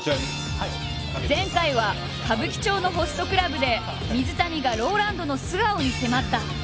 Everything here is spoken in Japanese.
前回は歌舞伎町のホストクラブで水谷がＲＯＬＡＮＤの素顔に迫った。